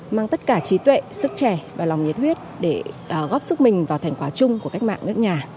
mang tất cả trí tuệ sức trẻ và lòng nhiệt huyết để góp sức mình vào thành quả chung của cách mạng nước nhà